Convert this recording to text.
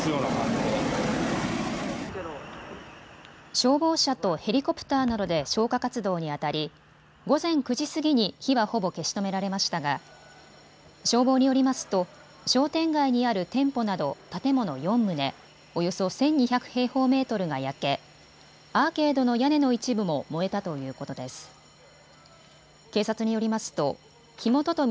消防車とヘリコプターなどで消火活動にあたり午前９時過ぎに火はほぼ消し止められましたが消防によりますと商店街にある店舗など建物４棟、およそ１２００平方メートルが焼けアーケードの屋根の一部も燃えたということです。